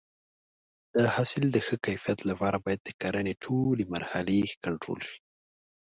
د حاصل د ښه کیفیت لپاره باید د کرنې ټولې مرحلې کنټرول شي.